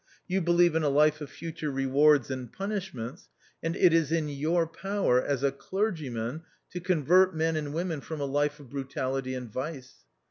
You believe in a life of future rewards and punishments, and it is in your power, as a clergyman, to convert men and women from a life of brutality and vice.